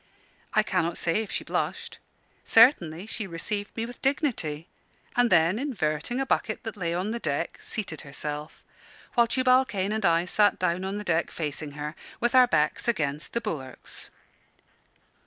I cannot say if she blushed. Certainly she received me with dignity: and then, inverting a bucket that lay on the deck, seated herself; while Tubal Cain and I sat down on the deck facing her, with our backs against the bulwarks.